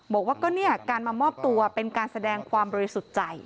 บอกว่าก็เนี่ยการมามอบตัวเป็นการแสดงความบริสุทธิ์ใจ